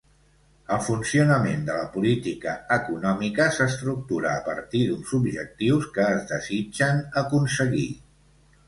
El funcionament de la política econòmica s'estructura a partir d'uns objectius que es desitgen aconseguir.